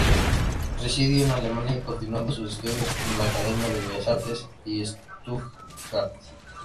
Residió en Alemania continuando sus estudios en la Academia de Bellas Artes de Stuttgart.